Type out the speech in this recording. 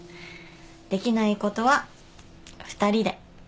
できないことは二人で。